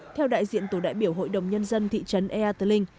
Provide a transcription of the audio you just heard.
theo đại diện tổ đại biểu hội đồng nhân dân thị trấn ea tờ linh